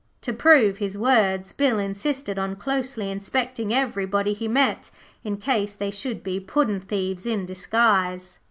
To prove his words Bill insisted on closely inspecting everybody he met, in case they should be puddin' thieves in disguise.